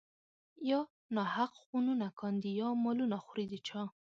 يا ناحق خونونه کاندي يا مالونه خوري د چا